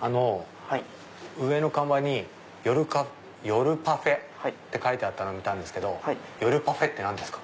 あの上の看板に夜パフェって書いてあったの見たんですけど夜パフェって何ですか？